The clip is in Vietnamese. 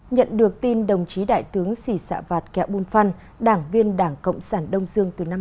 nhận được tin đồng chí đại tướng sì sạ vạt kẹo bùn phăn đảng viên đảng cộng sản đông dương từ năm một nghìn chín trăm năm mươi